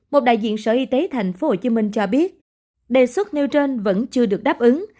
một đại diện sở y tế tp hcm cho biết đề xuất nêu trên vẫn chưa được đáp ứng